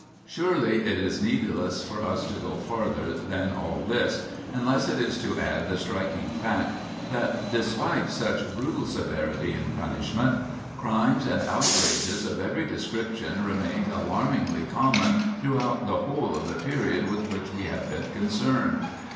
Surely it is needless for us to go farther than all this, unless it be to add the striking fact that, despite such brutal severity in punishment, crimes and outrages of every description remained alarmingly common throughout the whole of the period with which we have been concerned.